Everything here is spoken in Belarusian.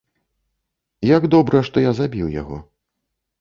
Як добра, што я забіў яго.